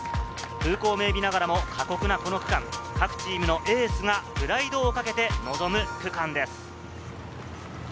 風光明媚ながらも過酷なこの区間、各チームのエースがプライドをかけて臨む区間です。